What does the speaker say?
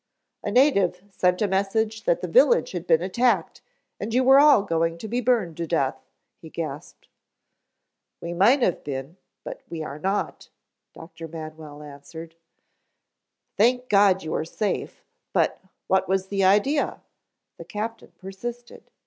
"A native sent a message that the village had been attacked and you were all going to be burned to death," he gasped. "We might have been, but we are not," Dr. Manwell answered. "Thank God you are safe, but, what was the idea?" the captain persisted.